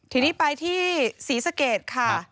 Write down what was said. ทีนี้ไปที่ศรีสะเกดค่ะ